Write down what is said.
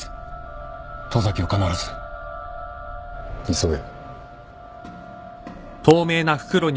急げ。